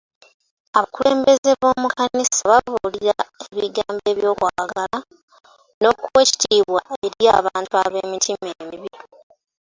Abakulembeze b'omu kkanisa babuulirira ebigambo by'okwagala n'okuwa ekitiibwa eri abantu ab'emitima emibi.